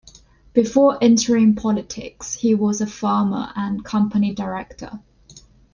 Before entering politics, he was a farmer and company director.